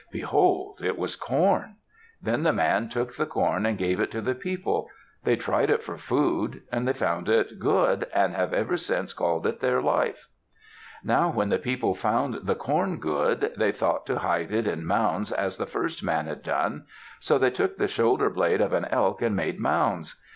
Behold! It was corn. Then the man took the corn, and gave it to the people. They tried it for food. They found it good, and have ever since called it their life. Now when the people found the corn good, they thought to hide it in mounds as the first man had done. So they took the shoulder blade of an elk and made mounds.